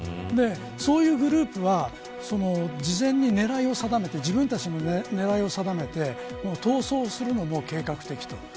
そういうグループは事前に自分たちの狙いを定めて逃走も計画的と。